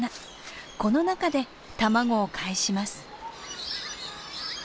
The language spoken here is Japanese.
この中で卵をかえします。